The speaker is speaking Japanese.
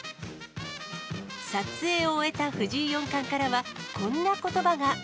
撮影を終えた藤井四冠からは、こんなことばが。